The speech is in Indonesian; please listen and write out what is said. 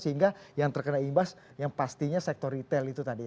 sehingga yang terkena imbas yang pastinya sektor retail itu tadi